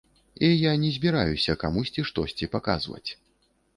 І я не збіраюся камусьці штосьці паказваць.